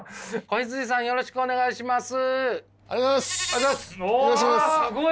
大友さんよろしくお願いします。